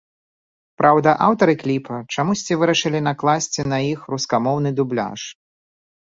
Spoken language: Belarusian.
Праўда, аўтары кліпа чамусьці вырашылі накласці на іх рускамоўны дубляж.